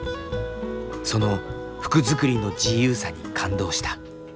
その服作りの自由さに感動した。